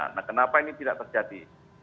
nah kenapa ini tidak terjadi